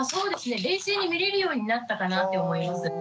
冷静に見れるようになったかなって思います。